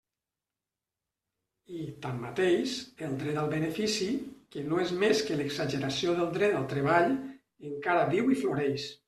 I, tanmateix, el dret al benefici, que no és més que l'exageració del dret al treball, encara viu i floreix.